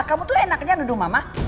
kamu tuh enaknya nuduh mama